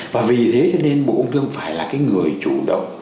và vì thế cho nên bộ công thương phải là cái người chủ động